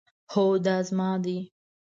هو، دا زما دی